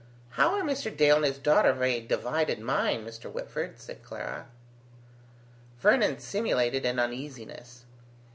"How are Mr. Dale and his daughter of a divided mind, Mr. Whitford?" said Clara. Vernon simulated an uneasiness.